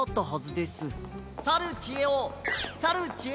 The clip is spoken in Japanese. さるちえおさるちえ